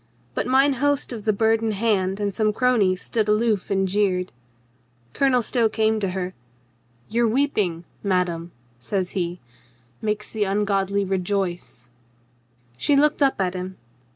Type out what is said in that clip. But mine host of the Bird in Hand and some cronies stood aloof ,and jeered. Colonel Stow came to her. "Your weeping, madame," says he, "makes the ungodly re joice." She looked up at him.